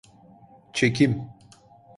Çekim.